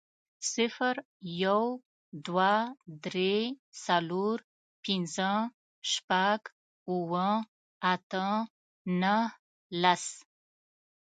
صفر، يو، دوه، درې، څلور، پنځه، شپږ، اووه، اته، نهه، لس